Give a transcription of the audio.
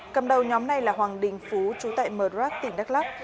cầm đầu nhóm này là hoàng đình phú chú tại mờ rắc tỉnh đắk lắk